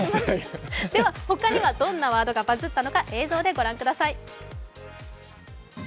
他にはどんなワードがバズったのか映像でご覧ください。